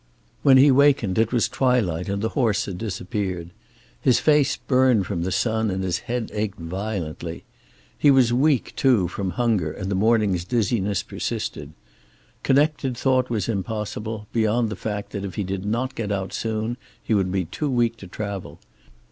When he wakened it was twilight, and the horse had disappeared. His face burned from the sun, and his head ached violently. He was weak, too, from hunger, and the morning's dizziness persisted. Connected thought was impossible, beyond the fact that if he did not get out soon, he would be too weak to travel.